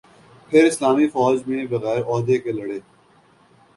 پھر اسلامی فوج میں بغیر عہدہ کے لڑے